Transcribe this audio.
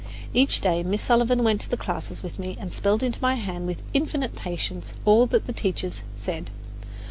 Each day Miss Sullivan went to the classes with me and spelled into my hand with infinite patience all that the teachers said.